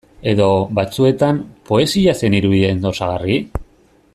Edo, batzuetan, poesia zen irudien osagarri?